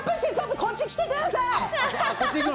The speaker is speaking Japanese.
こちらに来てください。